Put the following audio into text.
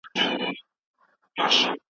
سپی د غلام څنګ ته په ډېرې آرامۍ سره پروت دی.